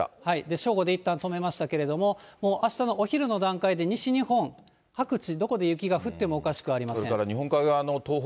正午でいったん止めましたけれども、もうあしたのお昼の段階で西日本、各地、どこで雪が降ってもおかしそれから日本海側の東北、